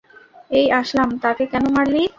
এই আসলাম, তাকে কেন মারলি?